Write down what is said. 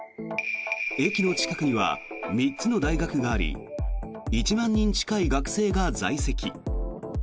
駅の近くには３つの大学があり１万人近い学生が在籍。